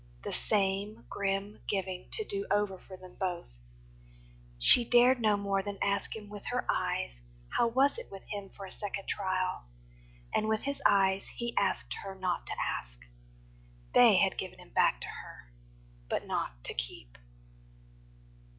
The same Grim giving to do over for them both. She dared no more than ask him with her eyes How was it with him for a second trial. And with his eyes he asked her not to ask. They had given him back to her, but not to keep.